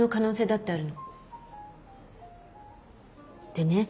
でね